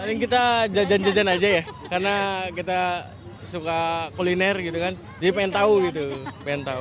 mungkin kita jajan jajan aja ya karena kita suka kuliner gitu kan jadi pengen tau gitu pengen tau